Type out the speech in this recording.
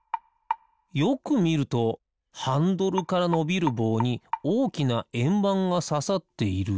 よくみるとハンドルからのびるぼうにおおきなえんばんがささっている。